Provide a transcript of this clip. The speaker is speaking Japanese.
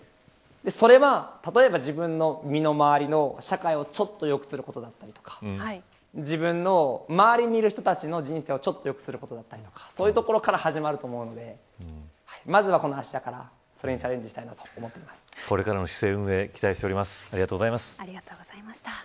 それは例えば自分の身の回りの社会をちょっと良くすることだったり自分の周りにいる人たちの人生をちょっと良くすることだったりそういったところから始まると思うのでまずは芦屋からチャレンジしていきたいとこれからの市政運営に期待しています。